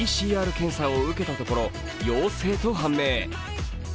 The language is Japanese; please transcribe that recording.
ＰＣＲ検査を受けたところ陽性と判明。